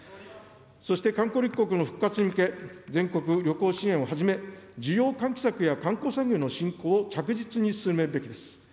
そして観光立国の復活に向け、全国旅行支援をはじめ、需要喚起策や観光産業の振興を着実に進めるべきです。